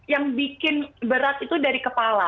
yang bikin berat itu dari kepala